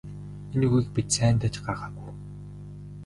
Энэ үгийг бид сайндаа ч гаргаагүй.